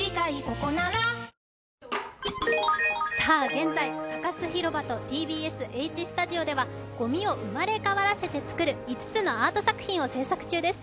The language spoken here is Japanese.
現在、サカス広場とＴＢＳ・Ｈスタジオではごみを生まれ変わらせて作る５つのアート作品を制作中です。